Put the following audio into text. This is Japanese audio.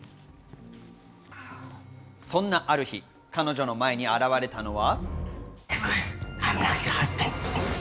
そんなある日、彼女の前に現れたのは。